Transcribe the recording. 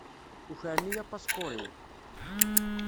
Ukren-iyi apaspuṛ-iw.